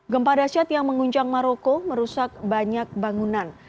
gempa dasyat yang mengunjang maroko merusak banyak bangunan